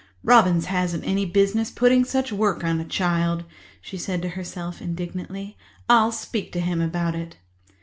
"Robins hasn't any business putting such work on a child," she said to herself indignantly. "I'll speak to him about it."